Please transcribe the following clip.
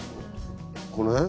この辺？